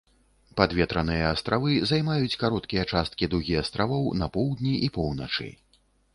Падветраныя астравы займаюць кароткія часткі дугі астравоў на поўдні і поўначы.